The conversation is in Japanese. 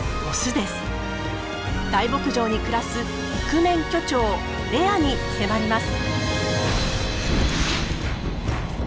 大牧場に暮らす育メン巨鳥レアに迫ります。